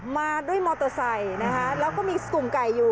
มาด้วยมอเตอร์ไซค์นะคะแล้วก็มีสุ่มไก่อยู่